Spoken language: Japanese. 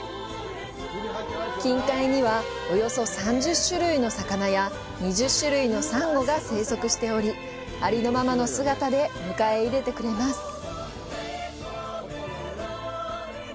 近海には、およそ３０種類の魚や、２０種類のサンゴが生息しており、ありのままの姿で迎え入れてくれます。